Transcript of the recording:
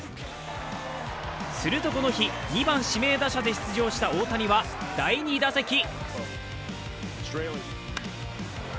するとこの日、２番・指名打者で出場した大谷は第２打席。